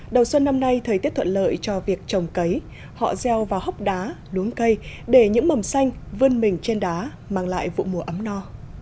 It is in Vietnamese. đầu xuân năm nay thời tiết thuận lợi cho việc trồng cấy họ gieo vào hốc đá luống cây để những mầm xanh vươn mình trên đá mang lại vụ mùa ấm no